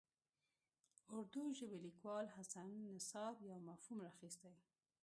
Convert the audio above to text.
اردو ژبي لیکوال حسن نثار یو مفهوم راخیستی.